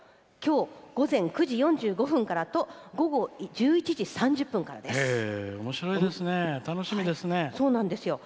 きょう午前９時４５分からと午後１１時３０分からです。